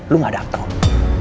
lo gak ada apa apa